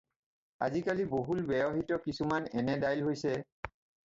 আজিকালি বহুল ব্যৱহৃত কিছুমান এনে ডাইল হৈছে